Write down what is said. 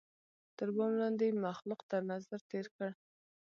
تر بام لاندي یې مخلوق تر نظر تېر کړ